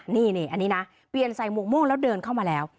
นี่อันนี้นะเปลี่ยนใส่หมวกม่วงแล้วเดินเข้ามาแล้ว